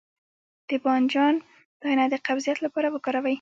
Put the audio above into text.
د بانجان دانه د قبضیت لپاره وکاروئ